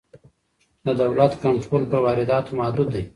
د دولت کنټرول پر وارداتو محدود دی.